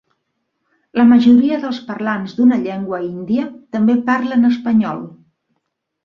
La majoria dels parlants d'una llengua índia també parlen espanyol.